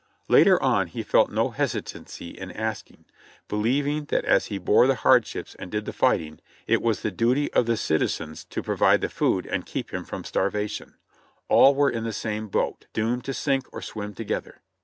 Later on he felt no hesitancy in asking, believ ing that as he bore the hardships and did the fighting, it was the duty of the citizens to provide the food and keep him from starvation ; all were in the same boat, doomed to sink or swim together.